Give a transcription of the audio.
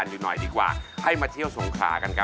รู้จักหนาเงือกวัด